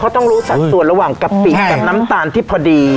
ต้องรู้สัดส่วนระหว่างกะปิกับน้ำตาลที่พอดี